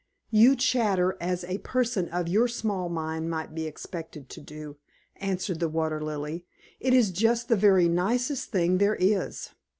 "You chatter as a person of your small mind might be expected to do," answered the Water Lily. "It is just the very nicest thing there is."